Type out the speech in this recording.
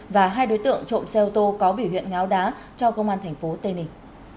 và hai đối tượng trộm xe ô tô có biểu hiện ngáo đá cho công an thành phố tây ninh